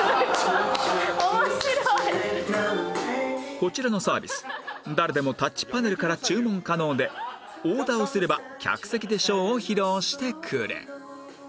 こちらのサービス誰でもタッチパネルから注文可能でオーダーをすれば客席でショーを披露してくれ